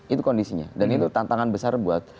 itu kondisinya dan itu tantangan besar buat